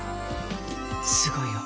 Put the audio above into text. すごいよ。